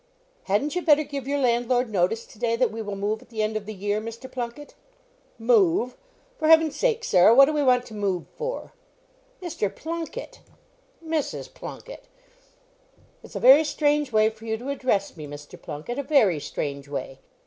"HADN'T you better give your landlord notice to day, that we will move at the end of the year, Mr. Plunket?" "Move! For heaven's sake, Sarah, what do we want to move for?" "Mr. Plunket!" "Mrs. Plunket!" "It's a very strange way for you to address me, Mr. Plunket. A very strange way!"